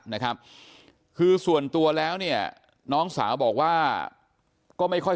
นะครับคือส่วนตัวแล้วเนี่ยน้องสาวบอกว่าก็ไม่ค่อย